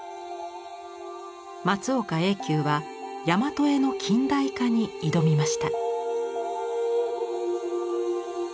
松岡映丘はやまと絵の近代化に挑みました。